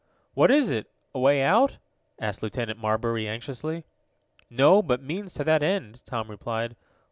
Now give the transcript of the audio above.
"What is it a way out?" asked Lieutenant Marbury anxiously. "No, but means to that end," Tom replied.